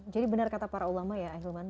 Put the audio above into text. jadi benar kata para ulama ya ahilman